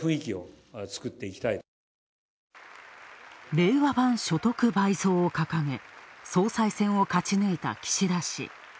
令和版所得倍増を掲げ、総裁選を勝ち抜いた岸田氏。